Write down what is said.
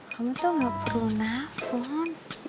kamu tuh gak perlu nafun